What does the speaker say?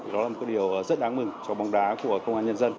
đó là một điều rất đáng mừng cho bóng đá của công an nhân dân